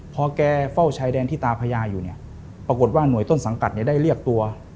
พอแกเฝ้าชายแดนที่ตาพญาอยู่เนี่ยปรากฏว่าหน่วยต้นสังกัดเนี่ยได้เรียกตัว